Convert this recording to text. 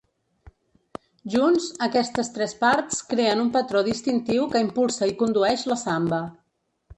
Junts, aquestes tres parts creen un patró distintiu que impulsa i condueix la samba.